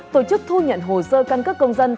tổ chức thu nhận hồ sơ căn cấp công dân